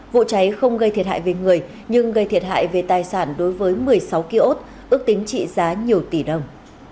vụ cháy không gây thiệt hại về người nhưng gây thiệt hại về tài sản đối với một mươi sáu kiosk ước tính trị giá nhiều tỷ đồng